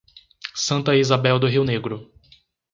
Santa Isabel do Rio Negro